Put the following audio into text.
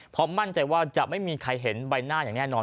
เพราะมั่นใจว่าจะไม่มีใครเห็นใบหน้าอย่างแน่นอน